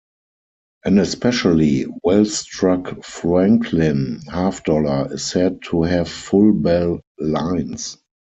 An especially well-struck Franklin half dollar is said to have full bell lines.